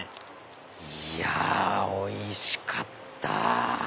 いやおいしかった！